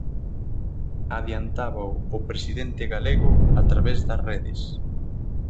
Adiantábao o presidente galego a través das redes.